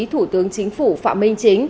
thủ tướng chính phủ phạm minh chính